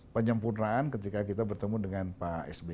penyempurnaan ketika kita bertemu dengan pak sby